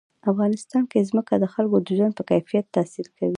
افغانستان کې ځمکه د خلکو د ژوند په کیفیت تاثیر کوي.